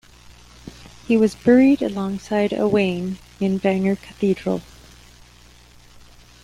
He was buried alongside Owain in Bangor Cathedral.